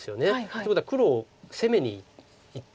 ということは黒を攻めにいってるわけです。